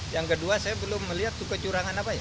yang kedua saya belum melihat kecurangan apa ya